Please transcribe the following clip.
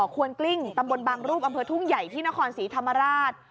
ควนกลิ้งตำบลบางรูปอำเภอทุ่งใหญ่ที่นครศรีธรรมราช